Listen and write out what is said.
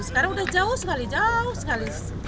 sekarang udah jauh sekali jauh sekali